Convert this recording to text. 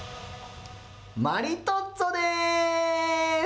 マリトッツォです。